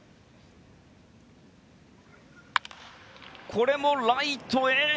これもライトへ。